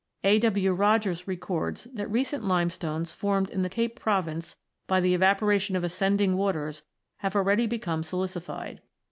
A. W. Rogers (26) records that recent limestones formed in the Cape province by the evaporation of ascending waters have already become silicified.